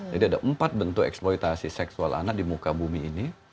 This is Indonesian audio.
jadi ada empat bentuk eksploitasi seksual anak di muka bumi ini